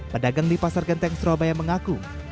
pedagang di pasar genteng surabaya mengaku